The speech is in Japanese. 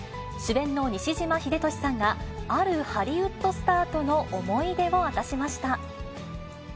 主演の西島秀俊さんが、あるハリウッドスターとの思い出を明かしました。